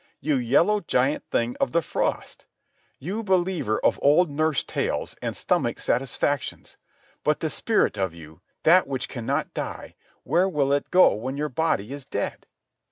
You yellow giant thing of the frost! You believer of old nurse tales and stomach satisfactions! But the spirit of you, that which cannot die, where will it go when your body is dead?"